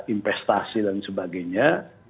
investasi dan sebagainya